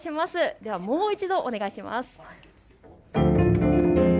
ではもう一度、お願いします。